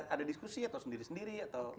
ada diskusi atau sendiri sendiri atau